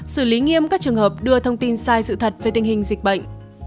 xử lý nghiêm các trường hợp đưa thông tin sai sự thật về tình hình dịch bệnh